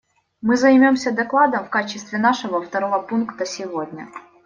Мы займемся докладом в качестве нашего второго пункта сегодня.